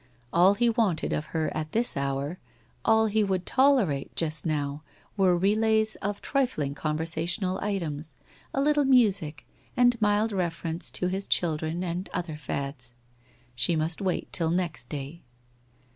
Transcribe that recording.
All he wanted of her at this hour, all he would tolerate just now were relays of trifling conversational items, a little music, and mild ref erenoe to his children and other fads. She must wait till next day!